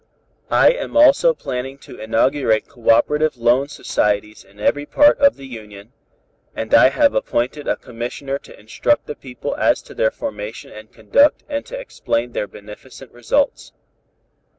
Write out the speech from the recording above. "I am also planning to inaugurate cooperative loan societies in every part of the Union, and I have appointed a commissioner to instruct the people as to their formation and conduct and to explain their beneficent results.